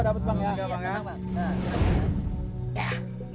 udah tuh bang